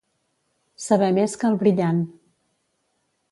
Saber més que el Brillant.